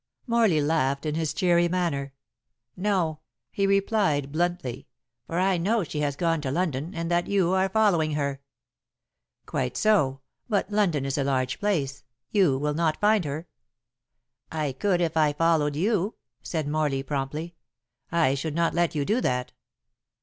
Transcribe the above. Morley laughed in his cheery manner. "No," he replied bluntly, "for I know she has gone to London, and that you are following her." "Quite so. But London is a large place. You will not find her." "I could if I followed you," said Morley promptly. "I should not let you do that."